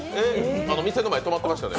店の前止まってましたね。